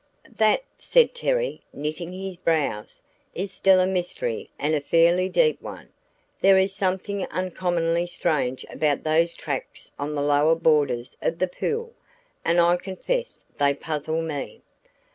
"That," said Terry, knitting his brows, "is still a mystery and a fairly deep one. There is something uncommonly strange about those tracks on the lower borders of the pool and I confess they puzzle me.